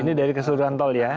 ini dari keseluruhan tol ya